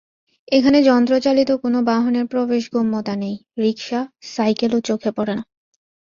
এখানে যন্ত্রচালিত কোনো বাহনের প্রবেশগম্যতা নেই, রিকশা, সাইকেলও চোখে পড়ল না।